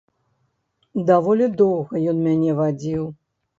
Даволі доўга ён мяне вадзіў.